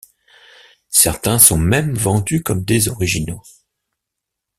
Certains sont même vendus comme des originaux.